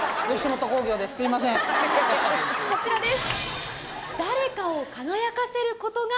こちらです。